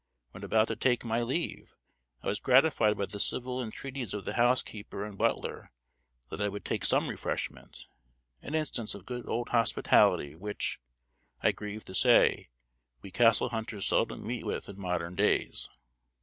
When about to take my leave I was gratified by the civil entreaties of the housekeeper and butler that I would take some refreshment an instance of good old hospitality which, I grieve to say, we castle hunters seldom meet with in modern days.